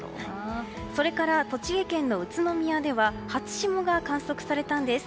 それから栃木県の宇都宮では初霜が観測されたんです。